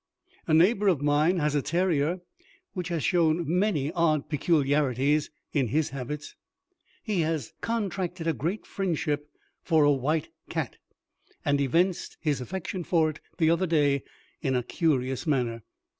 A neighbour of mine has a terrier which has shown many odd peculiarities in his habits. He has contracted a great friendship for a white cat, and evinced his affection for it the other day in a curious manner.